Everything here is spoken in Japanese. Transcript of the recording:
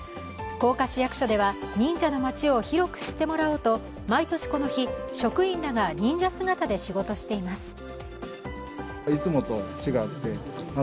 甲賀市役所では、忍者の町を広く知ってもらおうと毎年この日、職員らが忍者姿で仕事しています。